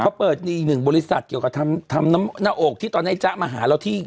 เขาเปิดมีอีกหนึ่งบริษัทเกี่ยวกับทำหน้าอกที่ตอนให้จ๊ะมาหาเราที่